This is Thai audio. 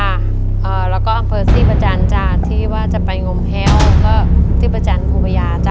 อ่าแล้วก็อำเภอที่ประจันทร์จ้ะที่ว่าจะไปงมแฮลแล้วก็ที่ประจันทร์คุกพยาจ้ะ